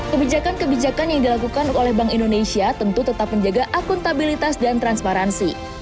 kebijakan kebijakan yang dilakukan oleh bank indonesia tentu tetap menjaga akuntabilitas dan transparansi